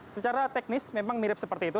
secara teknis memang mirip seperti itu